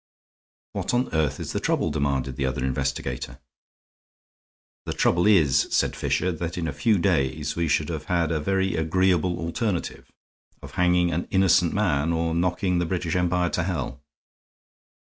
"What on earth is the trouble?" demanded the other investigator. "The trouble is," said Fisher, "that in a few days we should have had a very agreeable alternative of hanging an innocent man or knocking the British Empire to hell."